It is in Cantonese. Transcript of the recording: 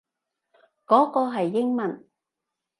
嗰個係英文